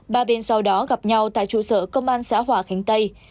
ba bên sau đó gặp nhau tại trụ sở công an xã hòa khánh tây